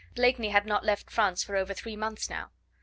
Blakeney had not left France for over three months now.